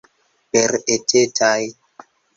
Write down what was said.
Per etetaj.